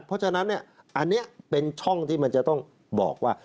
เพราะฉะนั้นอันนี้เป็นช่องที่มันจะต้องบอกว่า